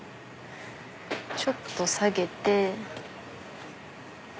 ちょっと下げて。